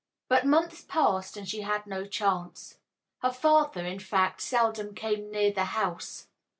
But months passed and she had no chance. Her father, in fact, seldom came near the house.